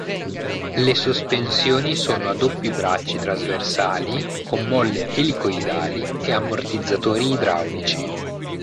Le sospensioni sono a doppi bracci trasversali con molle elicoidali e ammortizzatori idraulici.